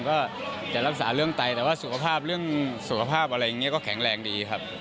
ก็จะรักษาเรื่องไตแต่ว่าสุขภาพเรื่องสุขภาพอะไรอย่างนี้ก็แข็งแรงดีครับ